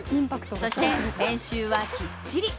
そして練習はきっちり。